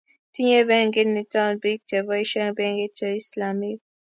tinyei benkit nito biik che boisien benkit che islamik